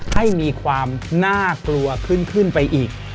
ให้มีความน่ากลัวขึ้นไปอีก